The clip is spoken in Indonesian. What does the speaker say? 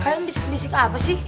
kadang bisik bisik apa sih